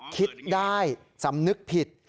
คิดได้สำนึกผิด